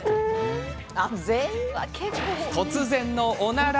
突然のおなら。